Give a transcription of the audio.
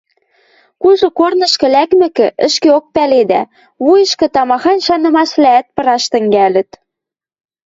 Кужы корнышкы лӓкмӹкӹ, ӹшкеок пӓледӓ, вуйышкы тамахань шанымашвлӓӓт пыраш тӹнгӓлӹт.